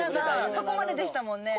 そこまででしたもんね。